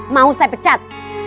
mau saya pecat